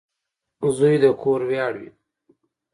• زوی د کور ویاړ وي.